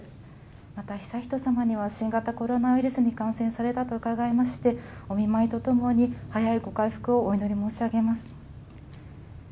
また、悠仁さまには新型コロナウイルスに感染されたと伺いまして、お見舞いとともに早いご回復をお祈り申し上げます。